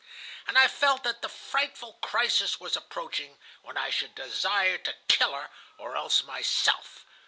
"And I felt that the frightful crisis was approaching when I should desire to kill her or else myself.